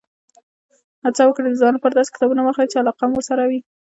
هڅه وکړئ، د ځان لپاره داسې کتابونه واخلئ، چې علاقه مو ورسره وي.